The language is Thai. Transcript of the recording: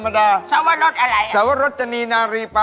เพื่อทรงของเขา